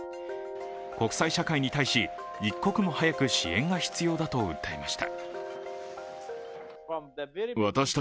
国際社会に対し、一刻も早く支援が必要だと訴えました。